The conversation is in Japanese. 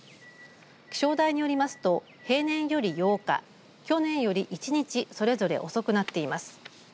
気象台によりますと平年より８日去年より１日それぞれ遅くなっています。